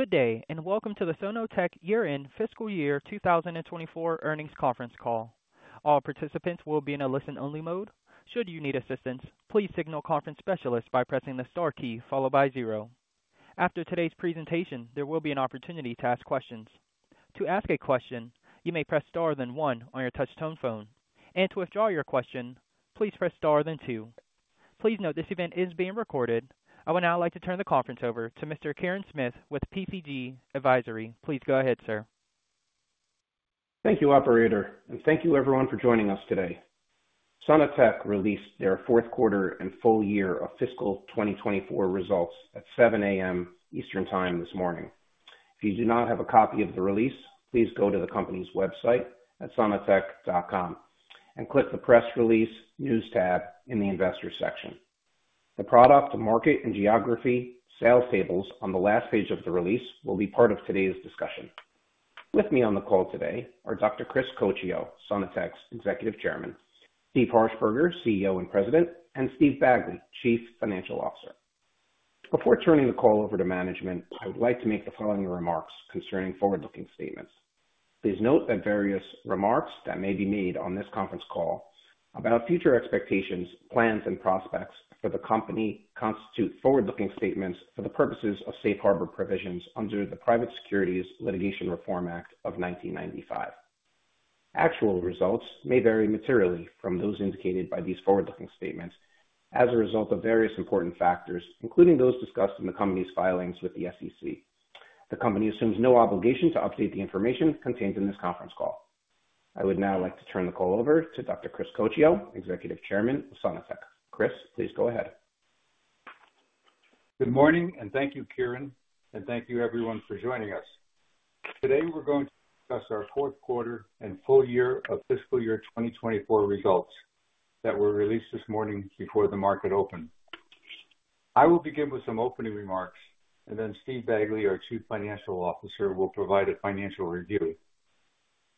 Good day, and welcome to the Sono-Tek Year-End Fiscal Year 2024 Earnings Conference Call. All participants will be in a listen-only mode. Should you need assistance, please signal conference specialist by pressing the star key followed by zero. After today's presentation, there will be an opportunity to ask questions. To ask a question, you may press star then one on your touchtone phone, and to withdraw your question, please press star then two. Please note this event is being recorded. I would now like to turn the conference over to Mr. Kieran Smith with Lytham Partners. Please go ahead, sir. Thank you, operator, and thank you everyone for joining us today. Sono-Tek released their fourth quarter and full year of fiscal 2024 results at 7 A.M. Eastern Time this morning. If you do not have a copy of the release, please go to the company's website at sonotek.com and click the Press Release News tab in the Investors section. The product, market, and geography sales tables on the last page of the release will be part of today's discussion. With me on the call today are Dr. Chris Coccio, Sono-Tek's Executive Chairman, Steve Harshbarger, CEO and President, and Steve Bagley, Chief Financial Officer. Before turning the call over to management, I would like to make the following remarks concerning forward-looking statements. Please note that various remarks that may be made on this conference call about future expectations, plans, and prospects for the company constitute forward-looking statements for the purposes of safe harbor provisions under the Private Securities Litigation Reform Act of 1995. Actual results may vary materially from those indicated by these forward-looking statements as a result of various important factors, including those discussed in the company's filings with the SEC. The company assumes no obligation to update the information contained in this conference call. I would now like to turn the call over to Dr. Chris Coccio, Executive Chairman of Sono-Tek. Chris, please go ahead. Good morning and thank you, Kieran, and thank you everyone for joining us. Today, we're going to discuss our fourth quarter and full year of fiscal year 2024 results that were released this morning before the market opened. I will begin with some opening remarks, and then Steve Bagley, our Chief Financial Officer, will provide a financial review.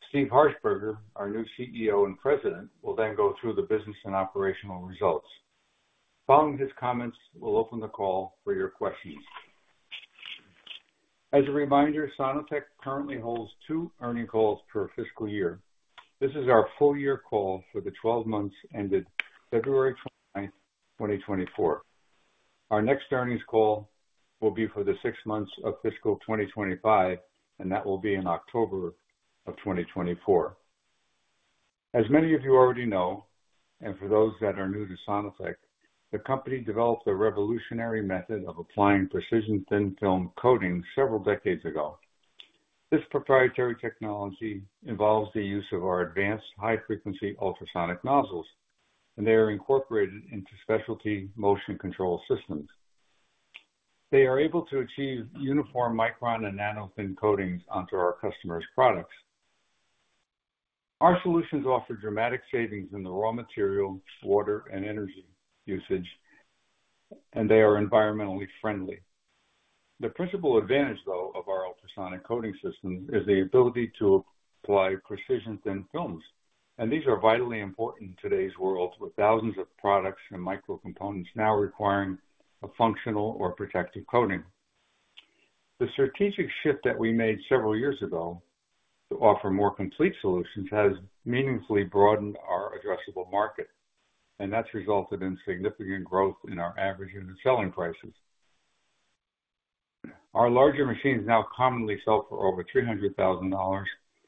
Steve Harshbarger, our new CEO and President, will then go through the business and operational results. Following his comments, we'll open the call for your questions. As a reminder, Sono-Tek currently holds two earnings calls per fiscal year. This is our full year call for the 12 months ended February 29, 2024. Our next earnings call will be for the six months of fiscal 2025, and that will be in October of 2024. As many of you already know, and for those that are new to Sono-Tek, the company developed a revolutionary method of applying precision thin-film coating several decades ago. This proprietary technology involves the use of our advanced high-frequency ultrasonic nozzles, and they are incorporated into specialty motion control systems. They are able to achieve uniform micron and nanothin coatings onto our customers' products. Our solutions offer dramatic savings in the raw material, water, and energy usage, and they are environmentally friendly. The principal advantage, though, of our ultrasonic coating system is the ability to apply precision thin films, and these are vitally important in today's world, with thousands of products and microcomponents now requiring a functional or protective coating. The strategic shift that we made several years ago to offer more complete solutions has meaningfully broadened our addressable market, and that's resulted in significant growth in our average unit selling prices. Our larger machines now commonly sell for over $300,000,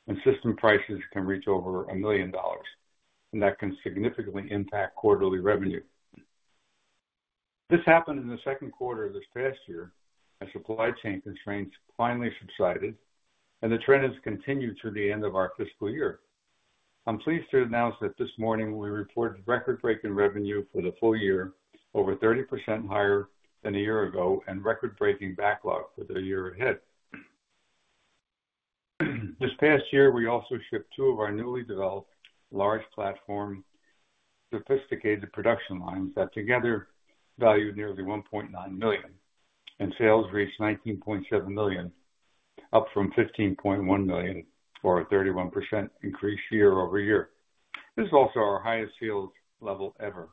and system prices can reach over $1 million, and that can significantly impact quarterly revenue. This happened in the second quarter of this past year as supply chain constraints finally subsided, and the trend has continued through the end of our fiscal year. I'm pleased to announce that this morning, we reported record-breaking revenue for the full year, over 30% higher than a year ago, and record-breaking backlog for the year ahead. This past year, we also shipped two of our newly developed large platform, sophisticated production lines that together valued nearly $1.9 million, and sales reached $19.7 million, up from $15.1 million, or a 31% increase year-over-year. This is also our highest sales level ever.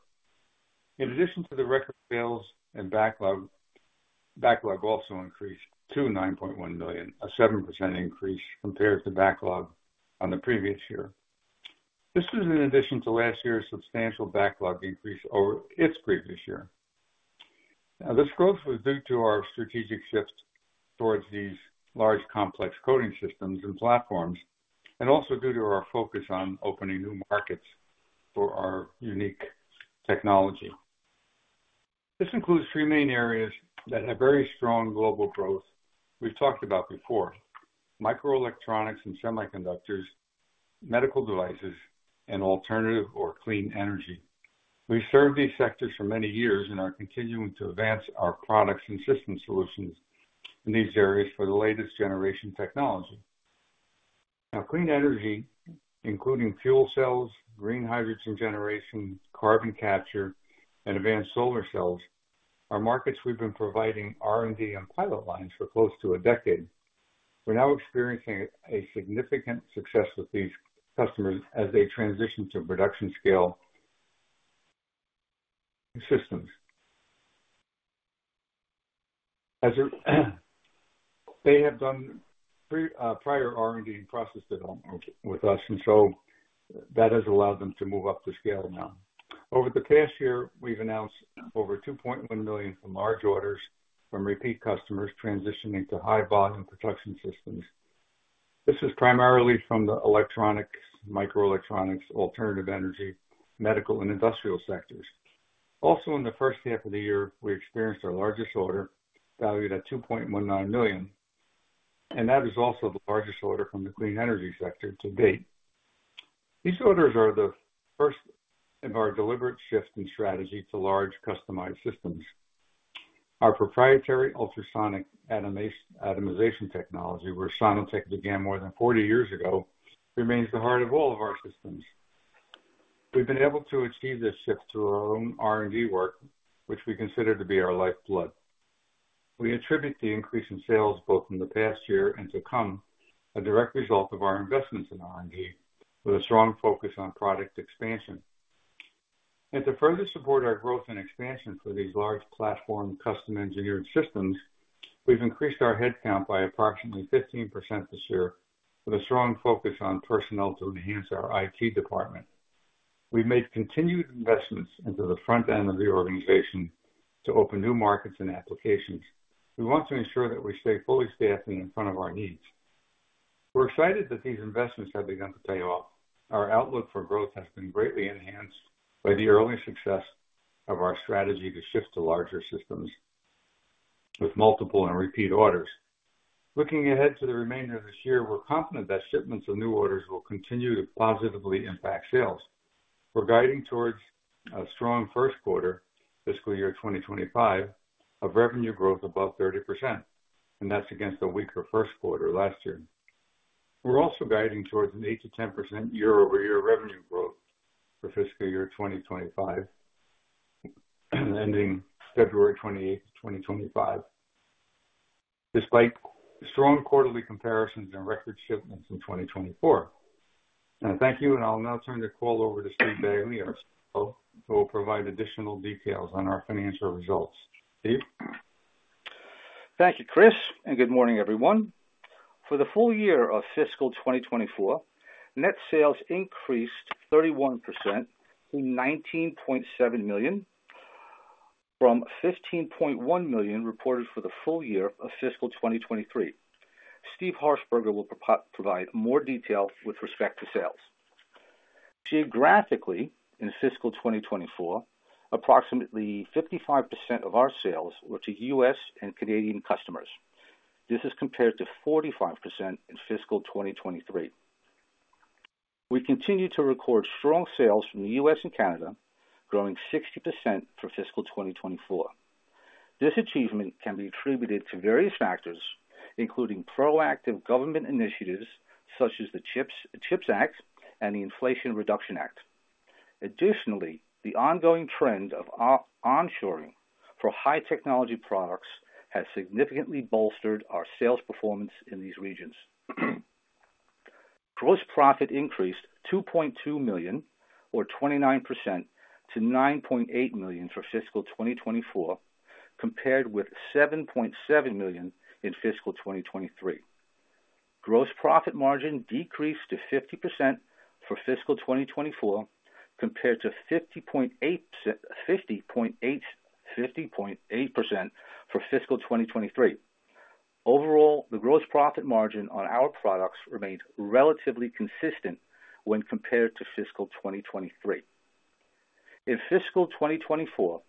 In addition to the record sales and backlog, backlog also increased to $9.1 million, a 7% increase compared to backlog on the previous year. This is in addition to last year's substantial backlog increase over its previous year. Now, this growth was due to our strategic shift towards these large, complex coating systems and platforms, and also due to our focus on opening new markets for our unique technology. This includes three main areas that have very strong global growth we've talked about before: microelectronics and semiconductors, medical devices, and alternative or clean energy. We've served these sectors for many years and are continuing to advance our products and system solutions in these areas for the latest generation technology. Now, clean energy, including fuel cells, green hydrogen generation, carbon capture, and advanced solar cells, are markets we've been providing R&D on pilot lines for close to a decade. We're now experiencing a significant success with these customers as they transition to production scale systems. As they have done prior R&D and processed it on with us, and so that has allowed them to move up the scale now. Over the past year, we've announced over $2.1 million from large orders from repeat customers transitioning to high volume production systems. This is primarily from the electronics, microelectronics, alternative energy, medical, and industrial sectors. Also, in the first half of the year, we experienced our largest order, valued at $2.19 million, and that is also the largest order from the clean energy sector to date. These orders are the first of our deliberate shift in strategy to large customized systems. Our proprietary ultrasonic atomization technology, where Sono-Tek began more than 40 years ago, remains the heart of all of our systems. We've been able to achieve this shift through our own R&D work, which we consider to be our lifeblood. We attribute the increase in sales, both in the past year and to come, a direct result of our investments in R&D, with a strong focus on product expansion. To further support our growth and expansion for these large platforms, custom-engineered systems, we've increased our headcount by approximately 15% this year, with a strong focus on personnel to enhance our IT department. We've made continued investments into the front end of the organization to open new markets and applications. We want to ensure that we stay fully staffed and in front of our needs. We're excited that these investments have begun to pay off. Our outlook for growth has been greatly enhanced by the early success of our strategy to shift to larger systems with multiple and repeat orders. Looking ahead to the remainder of this year, we're confident that shipments of new orders will continue to positively impact sales. We're guiding towards a strong first quarter, fiscal year 2025, of revenue growth above 30%, and that's against a weaker first quarter last year. We're also guiding towards an 8%-10% year-over-year revenue growth for fiscal year 2025, ending February 28, 2025, despite strong quarterly comparisons and record shipments in 2024. And thank you, and I'll now turn the call over to Steve Bagley, our CFO, who will provide additional details on our financial results. Steve? Thank you, Chris, and good morning, everyone. For the full year of fiscal 2024, net sales increased 31% - $19.7 million, from $15.1 million reported for the full year of fiscal 2023. Steve Harshbarger will provide more detail with respect to sales. Geographically, in fiscal 2024, approximately 55% of our sales were to U.S. and Canadian customers. This is compared to 45% in fiscal 2023. We continue to record strong sales from the U.S. and Canada, growing 60% for fiscal 2024. This achievement can be attributed to various factors, including proactive government initiatives such as the CHIPS, the CHIPS Act and the Inflation Reduction Act. Additionally, the ongoing trend of onshoring for high technology products has significantly bolstered our sales performance in these regions. Gross profit increased $2.2 million, or 29%, to $9.8 million for fiscal 2024, compared with $7.7 million in fiscal 2023. Gross profit margin decreased to 50% for fiscal 2024, compared to 50.8% for fiscal 2023. Overall, the gross profit margin on our products remained relatively consistent when compared to fiscal 2023. In fiscal 2024,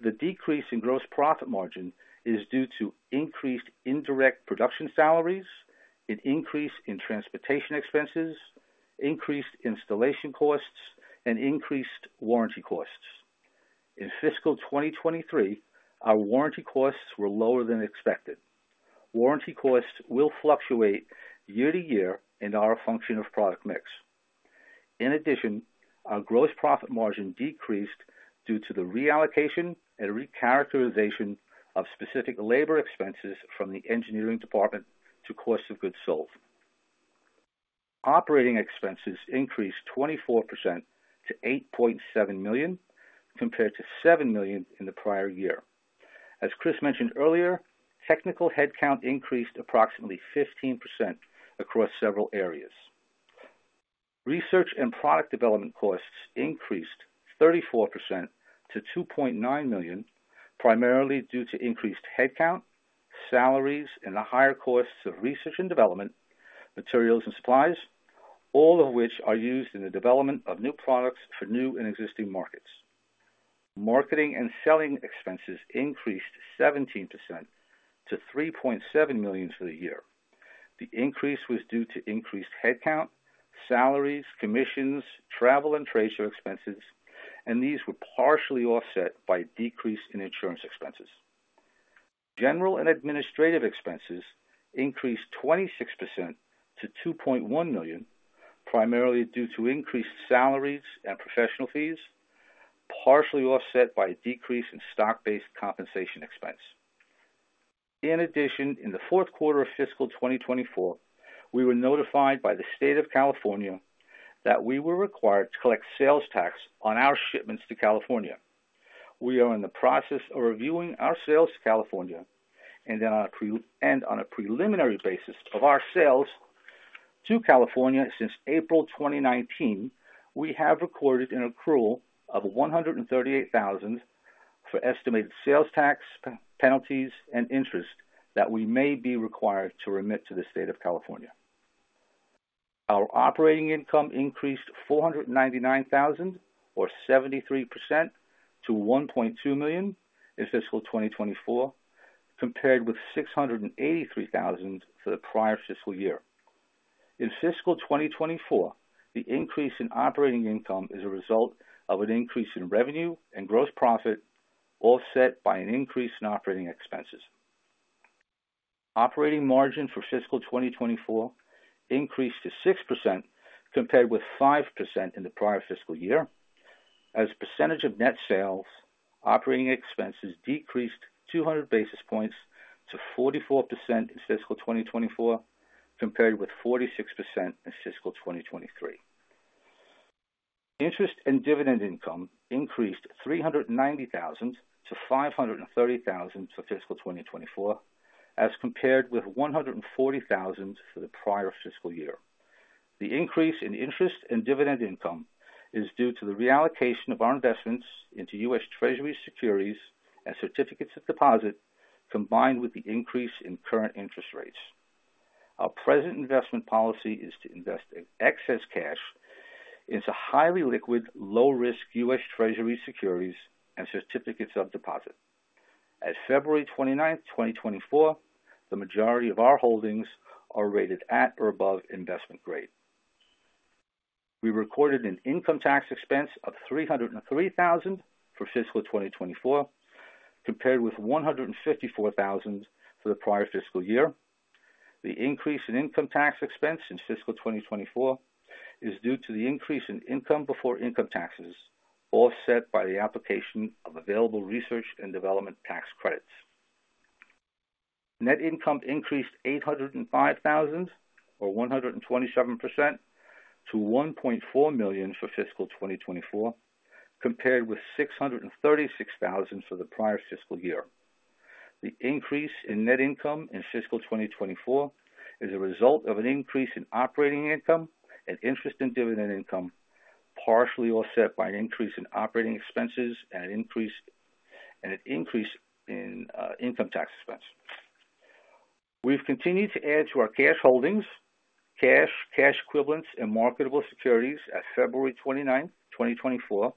the decrease in gross profit margin is due to increased indirect production salaries, an increase in transportation expenses, increased installation costs, and increased warranty costs. In fiscal 2023, our warranty costs were lower than expected. Warranty costs will fluctuate year to year and are a function of product mix. In addition, our gross profit margin decreased due to the reallocation and recharacterization of specific labor expenses from the engineering department to cost of goods sold. Operating expenses increased 24% - $8.7 million, compared to $7 million in the prior year. As Chris mentioned earlier, technical headcount increased approximately 15% across several areas. Research and product development costs increased 34% - $2.9 million, primarily due to increased headcount, salaries, and the higher costs of research and development, materials and supplies, all of which are used in the development of new products for new and existing markets. Marketing and selling expenses increased 17% - $3.7 million for the year. The increase was due to increased headcount, salaries, commissions, travel and trade show expenses, and these were partially offset by a decrease in insurance expenses. General and administrative expenses increased 26% - $2.1 million, primarily due to increased salaries and professional fees, partially offset by a decrease in stock-based compensation expense. In addition, in the fourth quarter of fiscal 2024, we were notified by the State of California that we were required to collect sales tax on our shipments to California. We are in the process of reviewing our sales to California, and then on a preliminary basis of our sales to California since April 2019, we have recorded an accrual of $138,000 for estimated sales tax, penalties, and interest that we may be required to remit to the State of California. Our operating income increased $499,000, or 73%, - $1.2 million in fiscal 2024, compared with $683,000 for the prior fiscal year. In fiscal 2024, the increase in operating income is a result of an increase in revenue and gross profit, offset by an increase in operating expenses. Operating margin for fiscal 2024 increased to 6%, compared with 5% in the prior fiscal year. As a percentage of net sales, operating expenses decreased 200 basis points to 44% in fiscal 2024, compared with 46% in fiscal 2023. Interest and dividend income increased $390,000 to $530,000 for fiscal 2024, as compared with $140,000 for the prior fiscal year. The increase in interest and dividend income is due to the reallocation of our investments into U.S. Treasury securities and certificates of deposit, combined with the increase in current interest rates. Our present investment policy is to invest in excess cash into highly liquid, low-risk U.S. Treasury securities and certificates of deposit. As of February 29, 2024, the majority of our holdings are rated at or above investment grade. We recorded an income tax expense of $303,000 for fiscal 2024, compared with $154,000 for the prior fiscal year. The increase in income tax expense in fiscal 2024 is due to the increase in income before income taxes, offset by the application of available research and development tax credits. Net income increased $805,000, or 127%, - $1.4 million for fiscal 2024, compared with $636,000 for the prior fiscal year. The increase in net income in fiscal 2024 is a result of an increase in operating income and interest and dividend income, partially offset by an increase in operating expenses and an increase in income tax expense. We've continued to add to our cash holdings. Cash, cash equivalents, and marketable securities at February 29, 2024,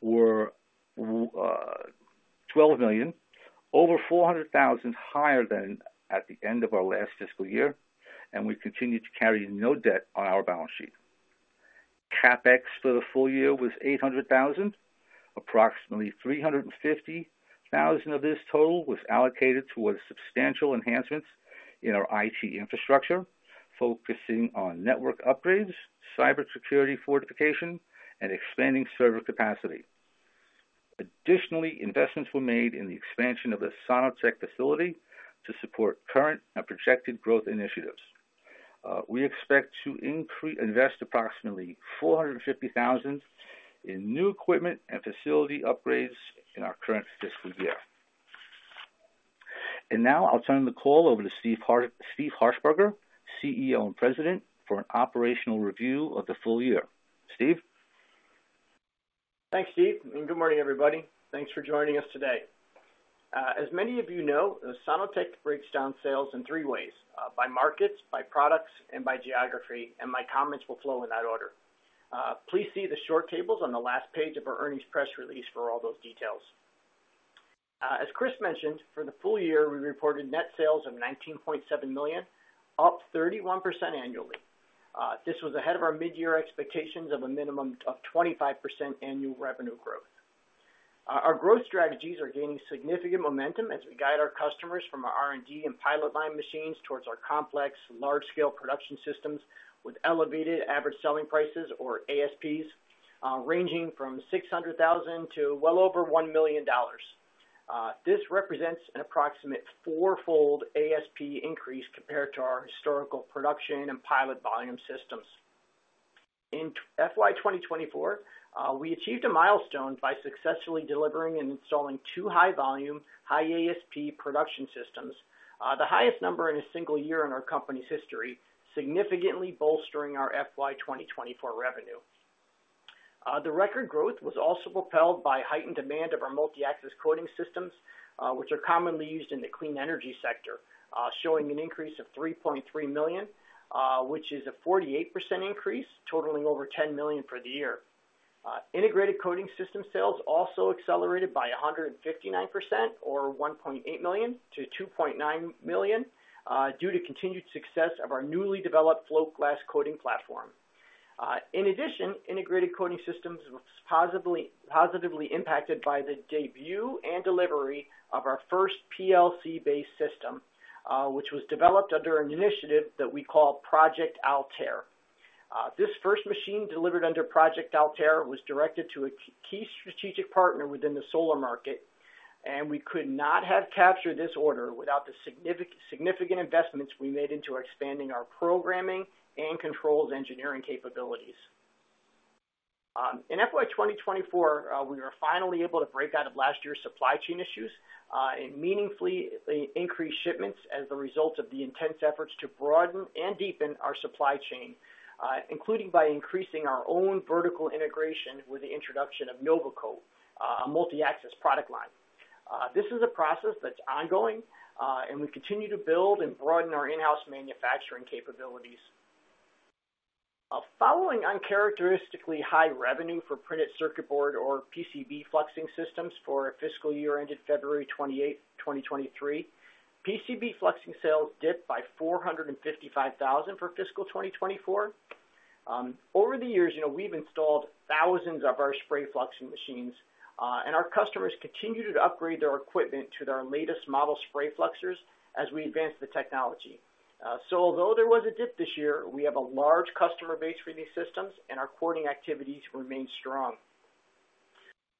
were $12 million, over $400,000 higher than at the end of our last fiscal year, and we continued to carry no debt on our balance sheet. CapEx for the full year was $800,000. Approximately $350,000 of this total was allocated towards substantial enhancements in our IT infrastructure, focusing on network upgrades, cybersecurity fortification, and expanding server capacity. Additionally, investments were made in the expansion of the Sono-Tek facility to support current and projected growth initiatives. We expect to invest approximately $450,000 in new equipment and facility upgrades in our current fiscal year. Now I'll turn the call over to Steve Harshbarger, CEO and President, for an operational review of the full year. Steve? Thanks, Steve, and good morning, everybody. Thanks for joining us today. As many of you know, Sono-Tek breaks down sales in three ways, by markets, by products, and by geography, and my comments will flow in that order. Please see the short tables on the last page of our earnings press release for all those details. As Chris mentioned, for the full year, we reported net sales of $19.7 million, up 31% annually. This was ahead of our mid-year expectations of a minimum of 25% annual revenue growth. Our growth strategies are gaining significant momentum as we guide our customers from our R&D and pilot line machines towards our complex, large-scale production systems, with elevated average selling prices, or ASPs, ranging from $600,000 to well over $1 million. This represents an approximate fourfold ASP increase compared to our historical production and pilot volume systems. In FY 2024, we achieved a milestone by successfully delivering and installing two high volume, high ASP production systems, the highest number in a single year in our company's history, significantly bolstering our FY 2024 revenue. The record growth was also propelled by heightened demand of our multi-axis coating systems, which are commonly used in the clean energy sector, showing an increase of $3.3 million, which is a 48% increase, totaling over $10 million for the year. Integrated coating system sales also accelerated by 159% or $1.8 million to $2.9 million, due to continued success of our newly developed float glass coating platform. In addition, integrated coating systems was positively impacted by the debut and delivery of our first PLC-based system, which was developed under an initiative that we call Project Altair. This first machine delivered under Project Altair was directed to a key strategic partner within the solar market, and we could not have captured this order without the significant investments we made into expanding our programming and controls engineering capabilities. In FY 2024, we were finally able to break out of last year's supply chain issues, and meaningfully increase shipments as a result of the intense efforts to broaden and deepen our supply chain, including by increasing our own vertical integration with the introduction of NovaCoat, a multi-axis product line. This is a process that's ongoing, and we continue to build and broaden our in-house manufacturing capabilities. Following uncharacteristically high revenue for printed circuit board or PCB fluxing systems for our fiscal year ended February 28, 2023, PCB fluxing sales dipped by $455,000 for fiscal 2024. Over the years, you know, we've installed thousands of our spray fluxing machines, and our customers continue to upgrade their equipment to their latest model spray fluxers as we advance the technology. So although there was a dip this year, we have a large customer base for these systems, and our coating activities remain strong.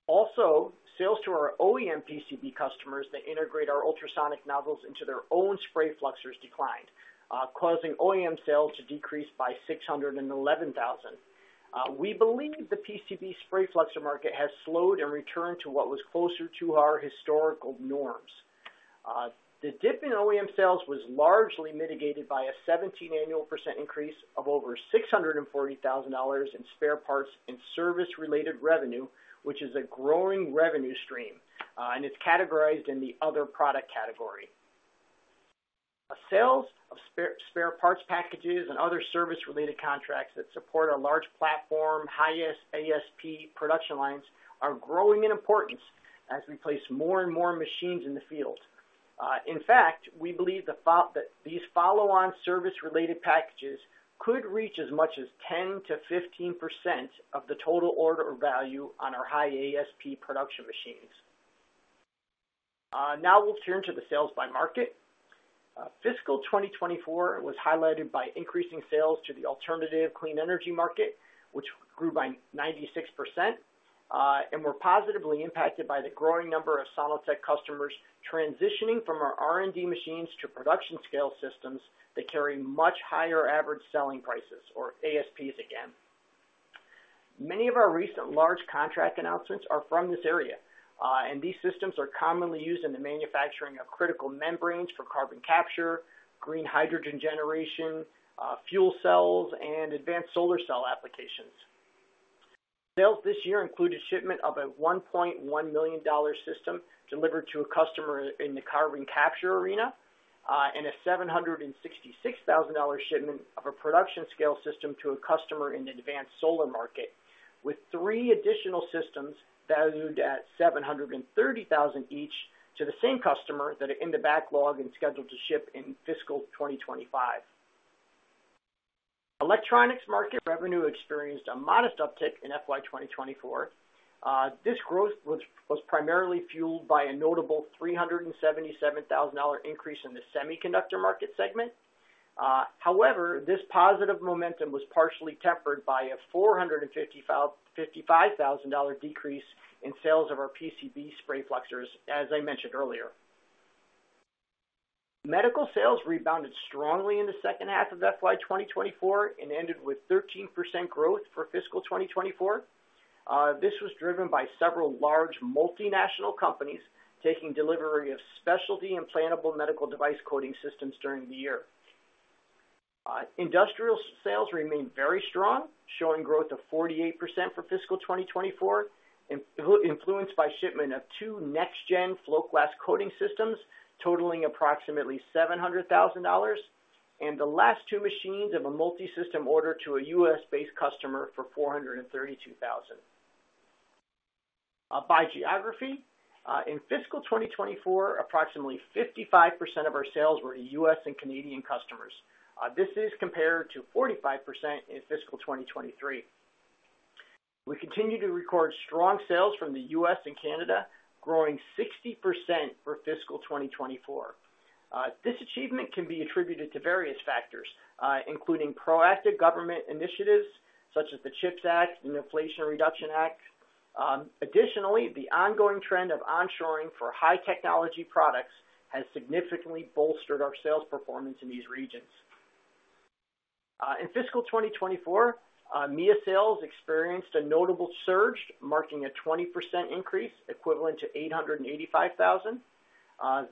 Also, sales to our OEM PCB customers that integrate our ultrasonic nozzles into their own spray fluxers declined, causing OEM sales to decrease by $611,000. We believe the PCB spray fluxer market has slowed and returned to what was closer to our historical norms. The dip in OEM sales was largely mitigated by a 17% annual increase of over $640,000 in spare parts and service-related revenue, which is a growing revenue stream, and it's categorized in the other product category. Sales of spare parts packages and other service-related contracts that support our large platform, highest ASP production lines, are growing in importance as we place more and more machines in the field. In fact, we believe the thought that these follow-on service-related packages could reach as much as 10%-15% of the total order value on our high ASP production machines. Now we'll turn to the sales by market. Fiscal 2024 was highlighted by increasing sales to the alternative clean energy market, which grew by 96%, and were positively impacted by the growing number of Sono-Tek customers transitioning from our R&D machines to production scale systems that carry much higher average selling prices, or ASPs again. Many of our recent large contract announcements are from this area, and these systems are commonly used in the manufacturing of critical membranes for carbon capture, green hydrogen generation, fuel cells, and advanced solar cell applications. Sales this year include a shipment of a $1.1 million system delivered to a customer in the Carbon Capture arena, and a $766,000 shipment of a production scale system to a customer in the advanced solar market, with three additional systems valued at $730,000 each to the same customer that are in the Backlog and scheduled to ship in fiscal 2025. Electronics market revenue experienced a modest uptick in FY 2024. This growth was primarily fueled by a notable $377,000 increase in the semiconductor market segment. However, this positive momentum was partially tempered by a $455,000 decrease in sales of our PCB Spray Fluxers, as I mentioned earlier. Medical sales rebounded strongly in the second half of FY 2024 and ended with 13% growth for fiscal 2024. This was driven by several large multinational companies taking delivery of specialty implantable medical device coating systems during the year. Industrial sales remained very strong, showing growth of 48% for fiscal 2024, influenced by shipment of two next gen float glass coating systems, totaling approximately $700,000, and the last two machines of a multisystem order to a U.S.-based customer for $432,000. By geography, in fiscal 2024, approximately 55% of our sales were to U.S. and Canadian customers. This is compared to 45% in fiscal 2023. We continue to record strong sales from the U.S. and Canada, growing 60% for fiscal 2024. This achievement can be attributed to various factors, including proactive government initiatives such as the CHIPS Act and Inflation Reduction Act. Additionally, the ongoing trend of onshoring for high technology products has significantly bolstered our sales performance in these regions. In fiscal 2024, EMEA sales experienced a notable surge, marking a 20% increase, equivalent to $885,000.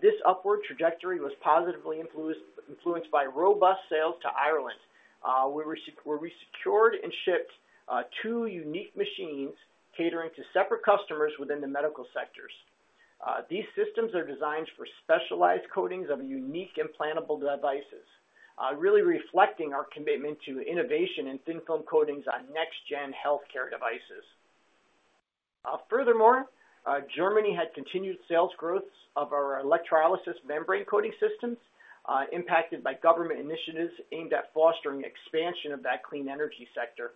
This upward trajectory was positively influenced by robust sales to Ireland, where we secured and shipped two unique machines catering to separate customers within the medical sectors. These systems are designed for specialized coatings of unique implantable devices, really reflecting our commitment to innovation and thin film coatings on next gen healthcare devices. Furthermore, Germany had continued sales growths of our electrolysis membrane coating systems, impacted by government initiatives aimed at fostering expansion of that clean energy sector.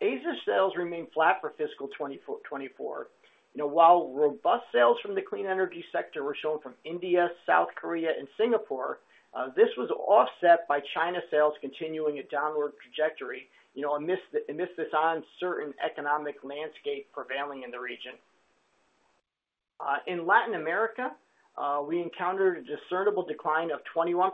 Asia sales remained flat for fiscal 2024. You know, while robust sales from the clean energy sector were shown from India, South Korea, and Singapore, this was offset by China sales continuing a downward trajectory, you know, amidst this uncertain economic landscape prevailing in the region. In Latin America, we encountered a discernible decline of 21%,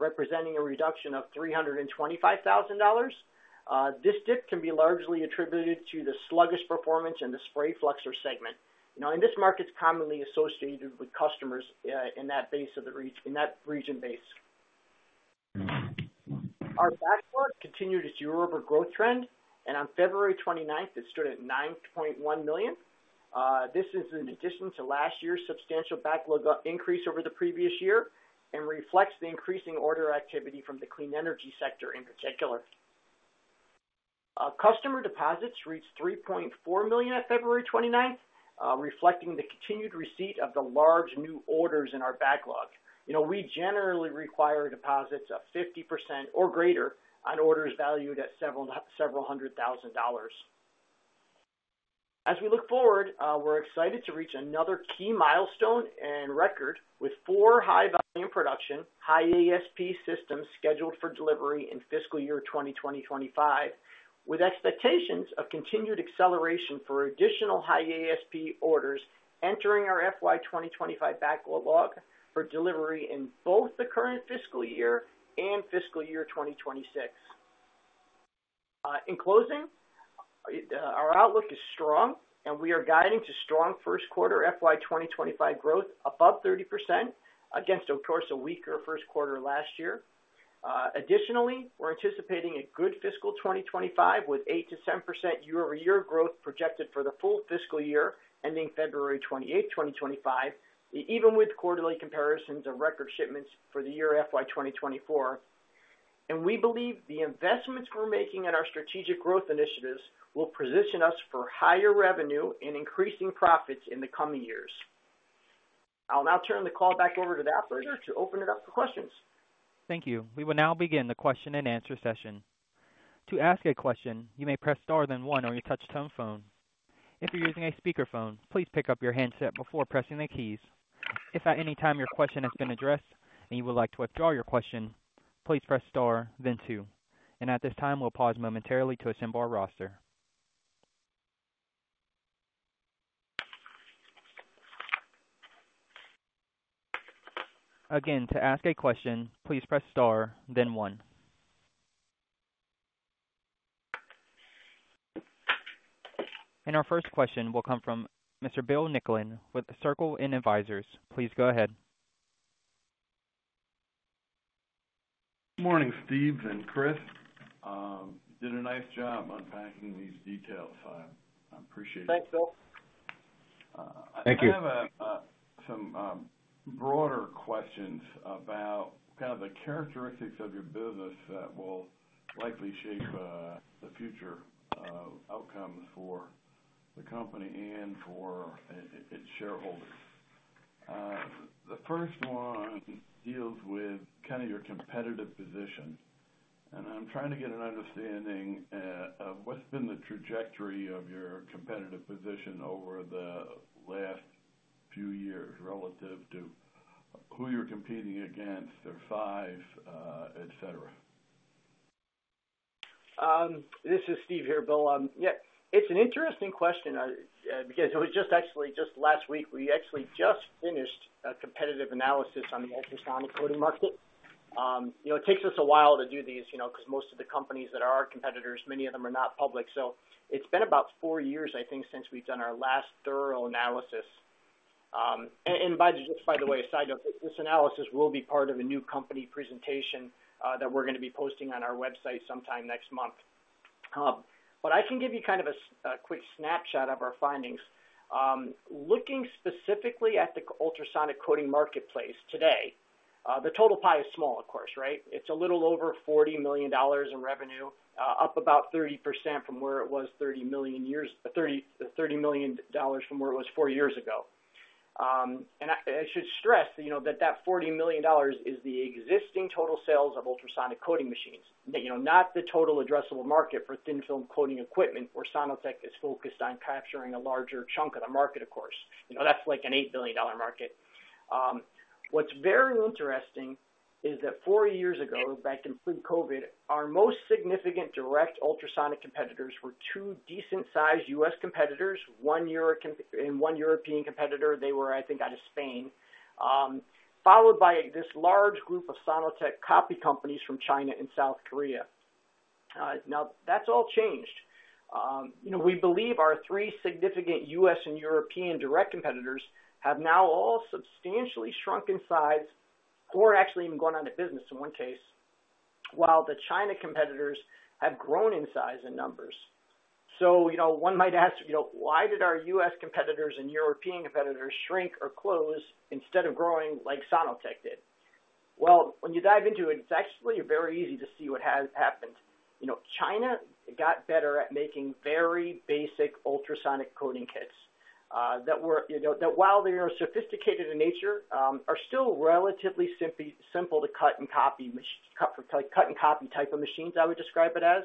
representing a reduction of $325,000. This dip can be largely attributed to the sluggish performance in the Spray Fluxer segment. You know, and this market's commonly associated with customers in that region base. Our backlog continued its year-over-year growth trend, and on February 29, it stood at $9.1 million. This is in addition to last year's substantial backlog increase over the previous year and reflects the increasing order activity from the clean energy sector, in particular. Customer deposits reached $3.4 million at February 29, reflecting the continued receipt of the large new orders in our backlog. You know, we generally require deposits of 50% or greater on orders valued at several hundred thousand dollars. As we look forward, we're excited to reach another key milestone and record with four high-volume production, high ASP systems scheduled for delivery in fiscal year 2025, with expectations of continued acceleration for additional high ASP orders entering our FY 2025 backlog for delivery in both the current fiscal year and fiscal year 2026. In closing, our outlook is strong, and we are guiding to strong first quarter FY 2025 growth above 30% against, of course, a weaker first quarter last year. Additionally, we're anticipating a good fiscal 2025, with 8%-10% year-over-year growth projected for the full fiscal year ending February 28, 2025, even with quarterly comparisons and record shipments for the year FY 2024. And we believe the investments we're making in our strategic growth initiatives will position us for higher revenue and increasing profits in the coming years. I'll now turn the call back over to the operator to open it up for questions. Thank you. We will now begin the question-and-answer session. To ask a question, you may press Star, then one on your touchtone phone. If you're using a speakerphone, please pick up your handset before pressing the keys. If at any time your question has been addressed and you would like to withdraw your question, please press Star, then two. And at this time, we'll pause momentarily to assemble our roster. Again, to ask a question, please press Star, then one. And our first question will come from Mr. Bill Nicklin with the Circle N Advisors. Please go ahead. Good morning, Steve and Chris. You did a nice job unpacking these details, so I appreciate it. Thanks, Bill. Thank you. I have some broader questions about kind of the characteristics of your business that will likely shape the future outcomes for the company and for its shareholders. The first one deals with kind of your competitive position, and I'm trying to get an understanding of what's been the trajectory of your competitive position over the last few years, relative to who you're competing against, there are five, et cetera. This is Steve here, Bill. Yeah, it's an interesting question. Because it was just actually just last week, we actually just finished a competitive analysis on the ultrasonic coating market. You know, it takes us a while to do these, you know, because most of the companies that are our competitors, many of them are not public. So it's been about four years, I think, since we've done our last thorough analysis. Just by the way, a side note, this analysis will be part of a new company presentation that we're going to be posting on our website sometime next month. But I can give you kind of a quick snapshot of our findings. Looking specifically at the ultrasonic coating marketplace today, the total pie is small, of course, right? It's a little over $40 million in revenue, up about 30% from where it was $30 million four years ago. And I should stress, you know, that that $40 million is the existing total sales of ultrasonic coating machines. That, you know, not the total addressable market for thin film coating equipment, where Sono-Tek is focused on capturing a larger chunk of the market, of course. You know, that's like an $8 billion market. What's very interesting is that four years ago, back in pre-COVID, our most significant direct ultrasonic competitors were two decent-sized U.S. competitors, one Eurocon- and one European competitor. They were, I think, out of Spain, followed by this large group of Sono-Tek copy companies from China and South Korea. Now, that's all changed. You know, we believe our three significant U.S. and European direct competitors have now all substantially shrunk in size or actually even gone out of business in one case, while the China competitors have grown in size and numbers. So you know, one might ask, you know, why did our U.S. competitors and European competitors shrink or close instead of growing like Sono-Tek did? Well, when you dive into it, it's actually very easy to see what has happened. You know, China got better at making very basic ultrasonic coating kits that were, you know, that while they are sophisticated in nature, are still relatively simple to cut and copy, like, cut and copy type of machines, I would describe it as.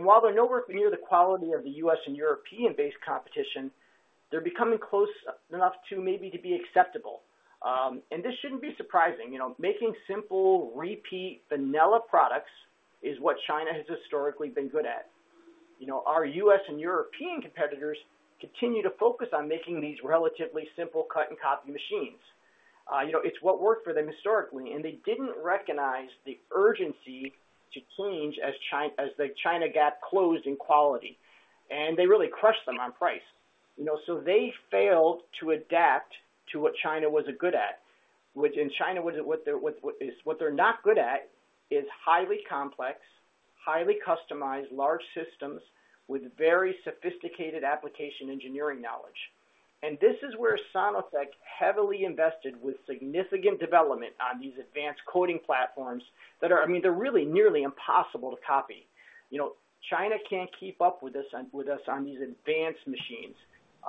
While they're nowhere near the quality of the U.S. and European-based competition, they're becoming close enough to maybe to be acceptable. This shouldn't be surprising. You know, making simple, repeat, vanilla products is what China has historically been good at. You know, our U.S. and European competitors continue to focus on making these relatively simple cut-and-copy machines. You know, it's what worked for them historically, and they didn't recognize the urgency to change as the China gap closed in quality, and they really crushed them on price. You know, so they failed to adapt to what China wasn't good at, which is what they're not good at is highly complex, highly customized, large systems with very sophisticated application engineering knowledge. And this is where Sono-Tek heavily invested with significant development on these advanced coating platforms that are... I mean, they're really nearly impossible to copy. You know, China can't keep up with us on these advanced machines.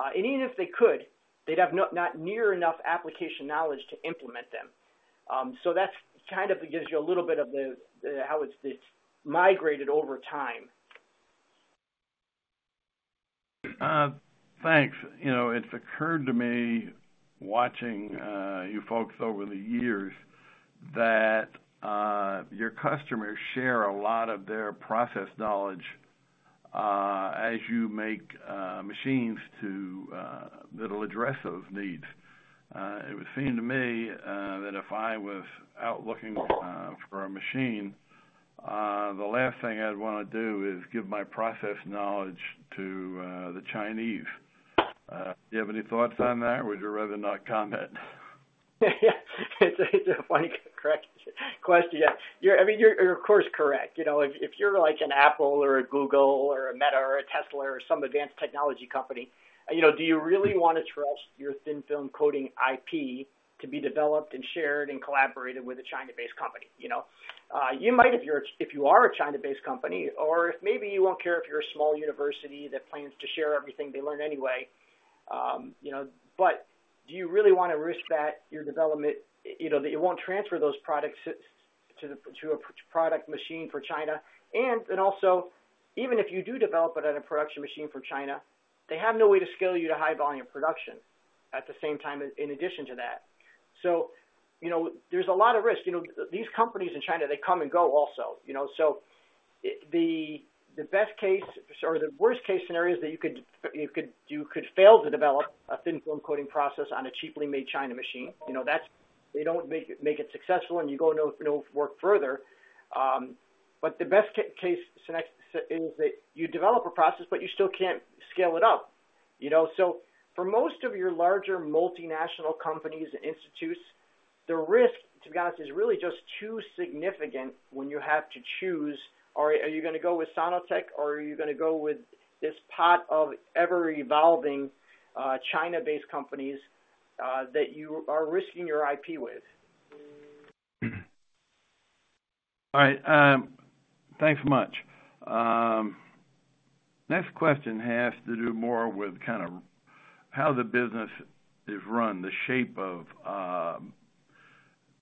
And even if they could, they'd have not nearly enough application knowledge to implement them. So that's kind of gives you a little bit of the how it's migrated over time. Thanks. You know, it's occurred to me, watching you folks over the years, that your customers share a lot of their process knowledge as you make machines to that'll address those needs. It would seem to me that if I was out looking for a machine, the last thing I'd wanna do is give my process knowledge to the Chinese. Do you have any thoughts on that, or would you rather not comment? Yeah, it's a funny, correct question. Yeah, you're—I mean, you're of course correct. You know, if you're like an Apple or a Google or a Meta or a Tesla or some advanced technology company, you know, do you really want to trust your thin-film coating IP to be developed and shared and collaborated with a China-based company, you know? You might, if you're if you are a China-based company, or if maybe you won't care if you're a small university that plans to share everything they learn anyway. You know, but do you really want to risk that your development, you know, that you won't transfer those products to a product machine for China? Also, even if you do develop it on a production machine for China, they have no way to scale you to high volume production at the same time, in addition to that. So, you know, there's a lot of risk. You know, these companies in China, they come and go also, you know. So the best case or the worst-case scenario is that you could fail to develop a thin-film coating process on a cheaply made China machine. You know, that's... They don't make it successful, and you go no, no work further. But the best case scenario is that you develop a process, but you still can't scale it up, you know? So for most of your larger multinational companies and institutes, the risk, to be honest, is really just too significant when you have to choose, are you gonna go with Sono-Tek, or are you gonna go with this lot of ever-evolving, China-based companies that you are risking your IP with? All right, thanks so much. Next question has to do more with kind of how the business is run, the shape of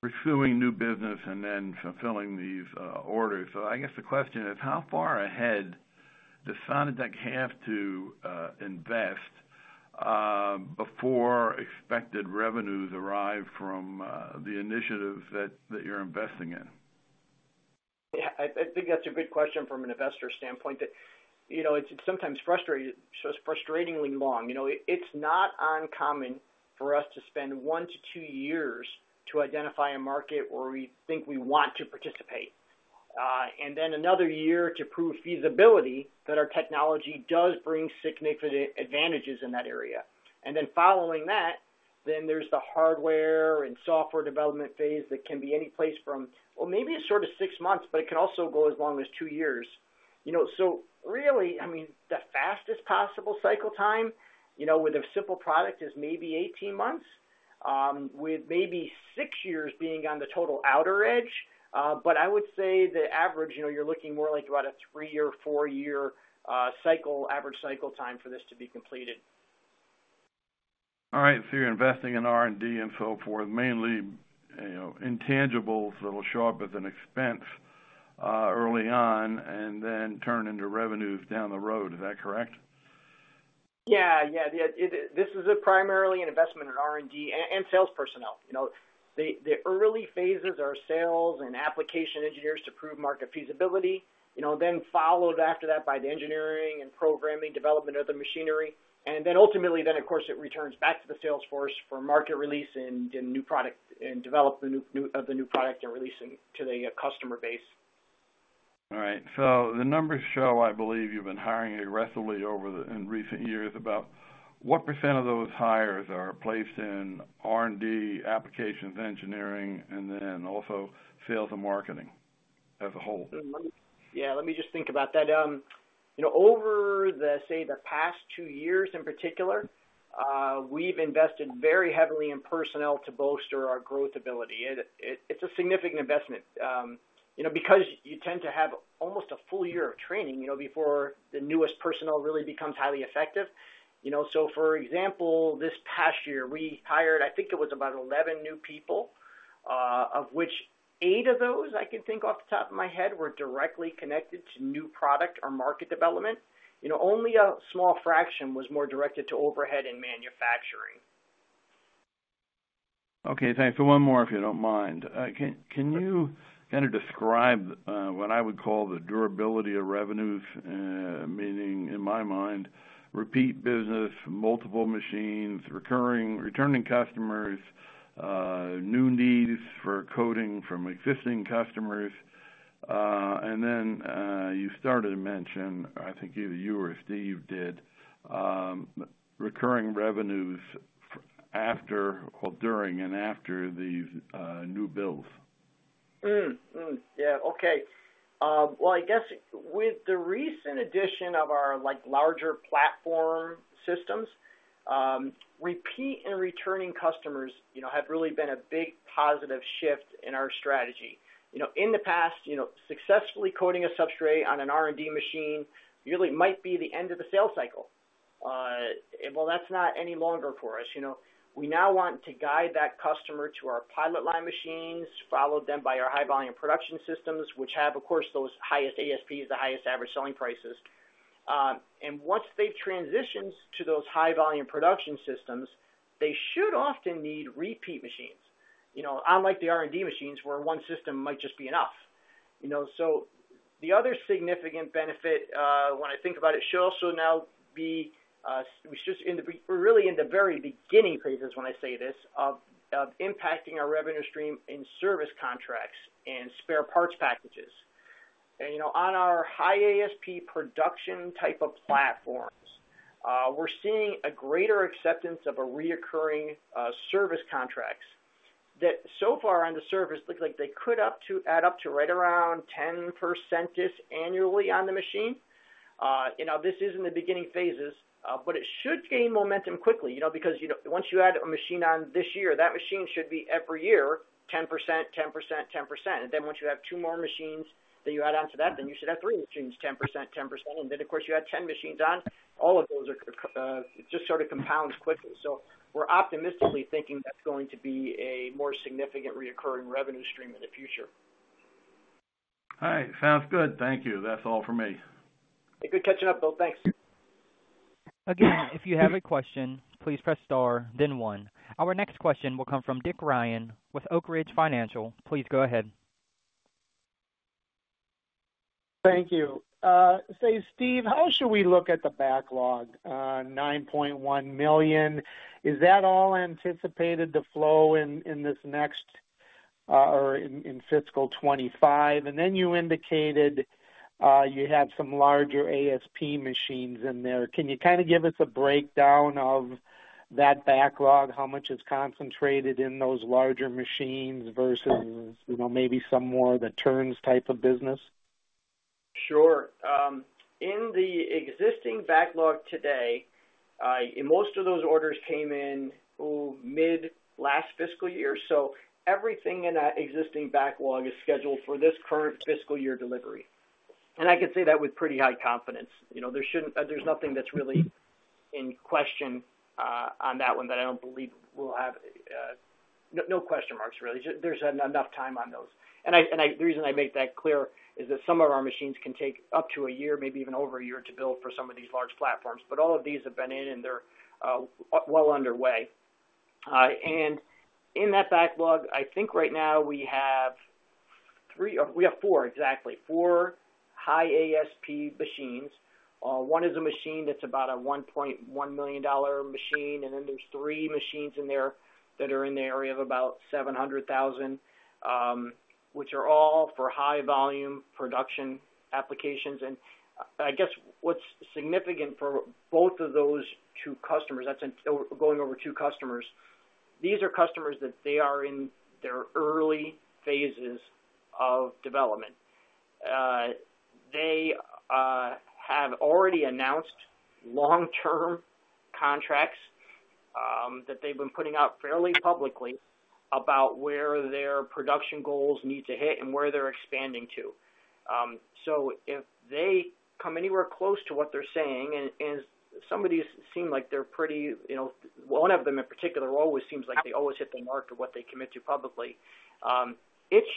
pursuing new business and then fulfilling these orders. So I guess the question is: How far ahead does Sono-Tek have to invest before expected revenues arrive from the initiative that you're investing in? Yeah, I think that's a good question from an investor standpoint, that, you know, it's sometimes frustrating, so it's frustratingly long. You know, it's not uncommon for us to spend one to two years to identify a market where we think we want to participate, and then another year to prove feasibility, that our technology does bring significant advantages in that area. Then following that, then there's the hardware and software development phase that can be anyplace from, well, maybe sort of six months, but it can also go as long as two years. You know, so really, I mean, the fastest possible cycle time, you know, with a simple product, is maybe 18 months, with maybe six years being on the total outer edge. But I would say the average, you know, you're looking more like about a three-year, four-year cycle, average cycle time for this to be completed. All right. So you're investing in R&D and so forth, mainly, you know, intangibles that will show up as an expense, early on and then turn into revenues down the road. Is that correct? Yeah. Yeah, this is primarily an investment in R&D and sales personnel. You know, the early phases are sales and application engineers to prove market feasibility, you know, then followed after that by the engineering and programming, development of the machinery, and then ultimately, then, of course, it returns back to the sales force for market release and new product, and develop the new product and releasing to the customer base. All right. So the numbers show, I believe you've been hiring aggressively in recent years. About what percent of those hires are placed in R&D, applications, engineering, and then also sales and marketing?... Yeah, let me just think about that. You know, over the, say, the past two years in particular, we've invested very heavily in personnel to bolster our growth ability. And it, it's a significant investment, you know, because you tend to have almost a full year of training, you know, before the newest personnel really becomes highly effective. You know, so, for example, this past year, we hired, I think it was about 11 new people, of which eight of those, I can think off the top of my head, were directly connected to new product or market development. You know, only a small fraction was more directed to overhead and manufacturing. Okay, thanks. So one more, if you don't mind. Can you kind of describe what I would call the durability of revenues? Meaning in my mind, repeat business, multiple machines, recurring-returning customers, new needs for coating from existing customers. And then, you started to mention, I think either you or Steve did, recurring revenues after or during and after these new builds. Yeah. Okay. Well, I guess with the recent addition of our, like, larger platform systems, repeat and returning customers, you know, have really been a big positive shift in our strategy. You know, in the past, you know, successfully coating a substrate on an R&D machine really might be the end of the sales cycle. Well, that's not any longer for us. You know, we now want to guide that customer to our pilot line machines, followed then by our high-volume production systems, which have, of course, those highest ASPs, the highest average selling prices. And once they've transitioned to those high-volume production systems, they should often need repeat machines. You know, unlike the R&D machines, where one system might just be enough, you know. So the other significant benefit, when I think about it, should also now be it's just in the beginning phases when I say this, of impacting our revenue stream in service contracts and spare parts packages. And, you know, on our high ASP production type of platforms, we're seeing a greater acceptance of a recurring service contracts, that so far on the service, looks like they could add up to right around 10% annually on the machine. You know, this is in the beginning phases, but it should gain momentum quickly, you know, because, you know, once you add a machine on this year, that machine should be every year, 10%, 10%, 10%. And then once you have two more machines that you add on to that, then you should have three machines, 10%, 10%. And then, of course, you add 10 machines on, all of those are just sort of compounds quickly. So we're optimistically thinking that's going to be a more significant recurring revenue stream in the future. All right. Sounds good. Thank you. That's all for me. Good catching up, Bill. Thanks. Again, if you have a question, please press Star, then one. Our next question will come from Dick Ryan with Oak Ridge Financial. Please go ahead. Thank you. Say, Steve, how should we look at the backlog, $9.1 million? Is that all anticipated to flow in, in this next, or in, in fiscal 2025? And then you indicated, you had some larger ASP machines in there. Can you kind of give us a breakdown of that backlog? How much is concentrated in those larger machines versus, you know, maybe some more of the turns type of business? Sure. In the existing backlog today, and most of those orders came in, oh, mid last fiscal year. So everything in that existing backlog is scheduled for this current fiscal year delivery. And I can say that with pretty high confidence. You know, there shouldn't... There's nothing that's really in question, on that one, that I don't believe will have, no, no question marks, really. There's enough time on those. And the reason I make that clear is that some of our machines can take up to a year, maybe even over a year, to build for some of these large platforms. But all of these have been in, and they're well underway. And in that backlog, I think right now we have 3, we have 4, exactly, 4 high ASP machines. One is a machine that's about a $1.1 million machine, and then there's three machines in there that are in the area of about $700,000, which are all for high-volume production applications. And I guess what's significant for both of those two customers, that's in going over two customers. These are customers that they are in their early phases of development. They have already announced long-term contracts that they've been putting out fairly publicly about where their production goals need to hit and where they're expanding to. So if they come anywhere close to what they're saying, and some of these seem like they're pretty, you know, one of them in particular, always seems like they always hit the mark of what they commit to publicly, it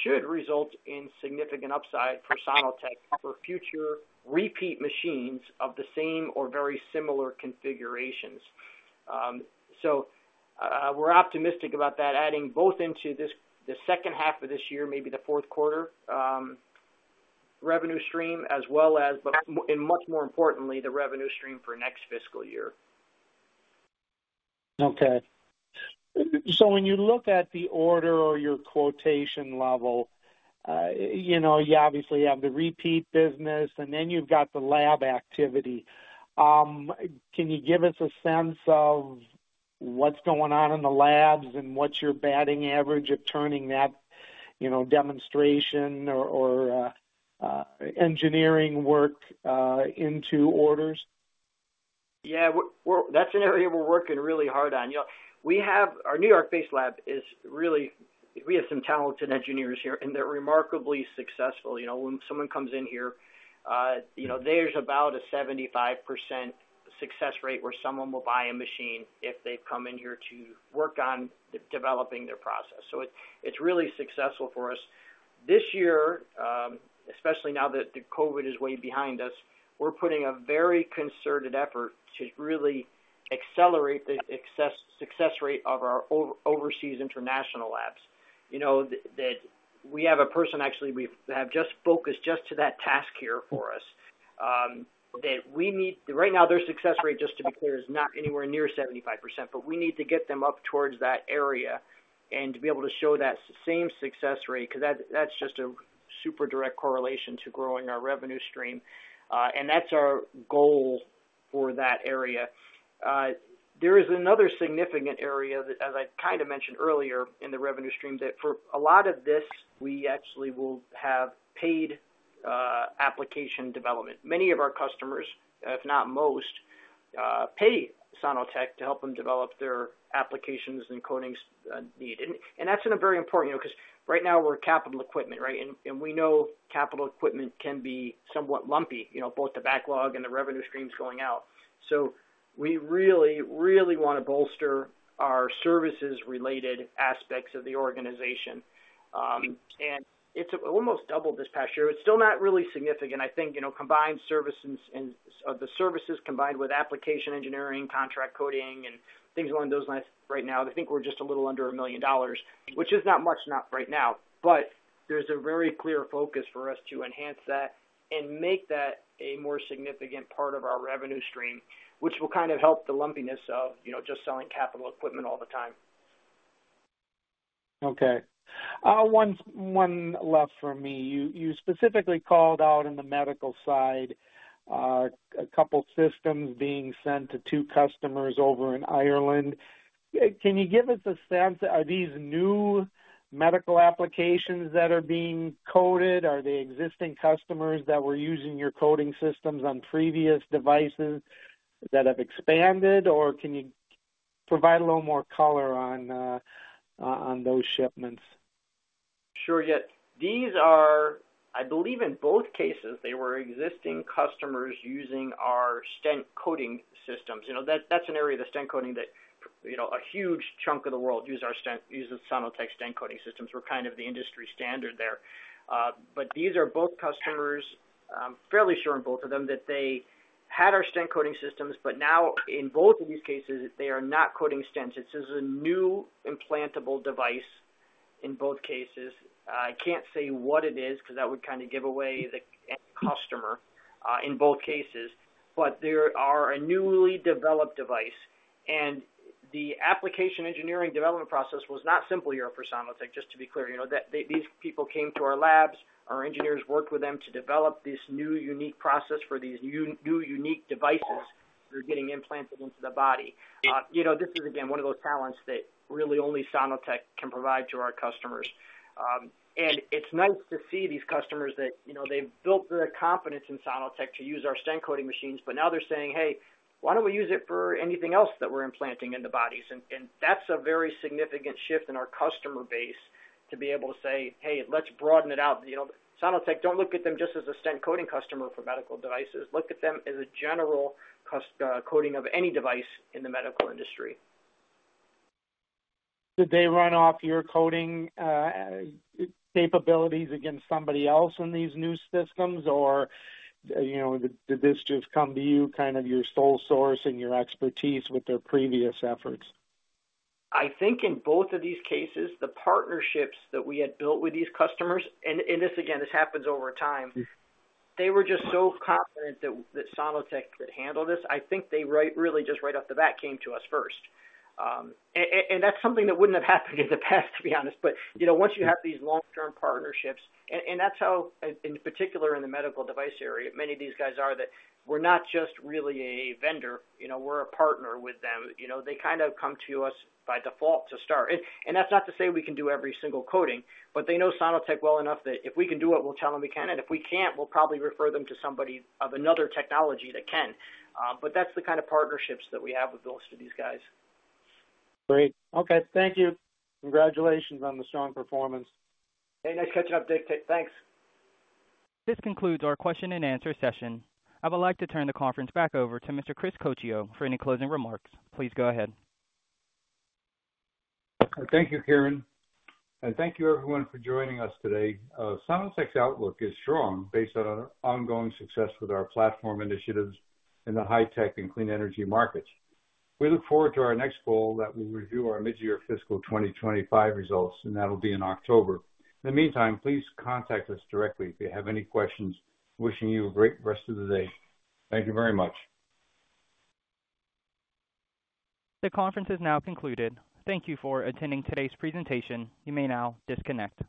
should result in significant upside for Sono-Tek for future repeat machines of the same or very similar configurations. So, we're optimistic about that, adding both into this, the second half of this year, maybe the fourth quarter, revenue stream, as well as, but much, and much more importantly, the revenue stream for next fiscal year. Okay. So when you look at the order or your quotation level, you know, you obviously have the repeat business, and then you've got the lab activity. Can you give us a sense of what's going on in the labs, and what's your batting average of turning that, you know, demonstration or engineering work into orders? Yeah, that's an area we're working really hard on. You know, we have our New York-based lab is really, we have some talented engineers here, and they're remarkably successful. You know, when someone comes in here, you know, there's about a 75% success rate where someone will buy a machine if they've come in here to work on developing their process. So it's really successful for us. This year, especially now that the COVID is way behind us, we're putting a very concerted effort to really accelerate the success rate of our overseas international labs. You know, that we have a person, actually, we have just focused just to that task here for us. That we need... Right now, their success rate, just to be clear, is not anywhere near 75%, but we need to get them up towards that area and to be able to show that same success rate, because that, that's just a super direct correlation to growing our revenue stream. And that's our goal for that area. There is another significant area that, as I kind of mentioned earlier in the revenue stream, that for a lot of this, we actually will have paid application development. Many of our customers, if not most, pay Sono-Tek to help them develop their applications and coatings need. And that's in a very important, you know, because right now, we're capital equipment, right? And we know capital equipment can be somewhat lumpy, you know, both the backlog and the revenue streams going out. So we really, really want to bolster our services-related aspects of the organization. And it's almost doubled this past year. It's still not really significant. I think, you know, combined services and, of the services, combined with application engineering, contract coding and things along those lines right now, I think we're just under $1 million, which is not much, not right now. But there's a very clear focus for us to enhance that and make that a more significant part of our revenue stream, which will kind of help the lumpiness of, you know, just selling capital equipment all the time. Okay. One left for me. You specifically called out in the medical side a couple systems being sent to two customers over in Ireland. Can you give us a sense, are these new medical applications that are being coated? Are they existing customers that were using your coating systems on previous devices that have expanded, or can you provide a little more color on those shipments? Sure, yeah. These are, I believe in both cases, they were existing customers using our stent coating systems. You know, that's, that's an area of the stent coating that, you know, a huge chunk of the world use our stent, uses Sono-Tek stent coating systems. We're kind of the industry standard there. But these are both customers, I'm fairly sure in both of them, that they had our stent coating systems, but now in both of these cases, they are not coating stents. This is a new implantable device in both cases. I can't say what it is, because that would kind of give away the end customer, in both cases, but there are a newly developed device, and the application engineering development process was not simple here for Sono-Tek, just to be clear. You know, that these people came to our labs. Our engineers worked with them to develop this new unique process for these new, new unique devices that are getting implanted into the body. You know, this is, again, one of those talents that really only Sono-Tek can provide to our customers. And it's nice to see these customers that, you know, they've built their confidence in Sono-Tek to use our stent coating machines, but now they're saying, "Hey, why don't we use it for anything else that we're implanting in the bodies?" And that's a very significant shift in our customer base to be able to say, "Hey, let's broaden it out. You know, Sono-Tek, don't look at them just as a stent coating customer for medical devices. Look at them as a general customer, coating of any device in the medical industry. Did they run off your coding capabilities against somebody else in these new systems, or, you know, did this just come to you, kind of your sole source and your expertise with their previous efforts? I think in both of these cases, the partnerships that we had built with these customers, and this, again, this happens over time. They were just so confident that Sono-Tek could handle this. I think they right, really, just right off the bat, came to us first. And that's something that wouldn't have happened in the past, to be honest. But you know, once you have these long-term partnerships. And that's how, in particular in the medical device area, many of these guys are that we're not just really a vendor, you know, we're a partner with them. You know, they kind of come to us by default to start. That's not to say we can do every single coating, but they know Sono-Tek well enough that if we can do it, we'll tell them we can, and if we can't, we'll probably refer them to somebody with another technology that can. But that's the kind of partnerships that we have with most of these guys. Great. Okay. Thank you. Congratulations on the strong performance. Hey, nice catch up, Dick. Thanks. This concludes our question-and-answer session. I would like to turn the conference back over to Mr. Chris Coccio for any closing remarks. Please go ahead. Thank you, Kieran, and thank you, everyone, for joining us today. Sono-Tek's outlook is strong based on our ongoing success with our platform initiatives in the high tech and clean energy markets. We look forward to our next call that we review our mid-year fiscal 2025 results, and that'll be in October. In the meantime, please contact us directly if you have any questions. Wishing you a great rest of the day. Thank you very much. The conference is now concluded. Thank you for attending today's presentation. You may now disconnect.